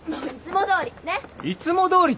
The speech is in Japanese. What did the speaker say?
いつもどおり。